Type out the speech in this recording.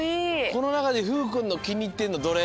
このなかでふうくんのきにいってるのどれ？